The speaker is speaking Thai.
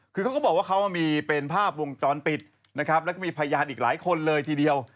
คือเขาก็บอกว่าเขามีเป็นภาพวงจรปิดนะครับแล้วก็มีพยานอีกหลายคนเลยทีเดียว